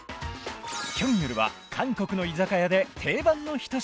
ヒョンユルは韓国の居酒屋で定番の一品